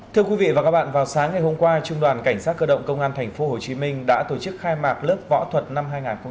thưa quý vị và các bạn vào sáng ngày hôm qua trung đoàn cảnh sát cơ động công an tp hcm đã tổ chức khai mạc lớp võ võ thuật năm hai nghìn hai mươi bốn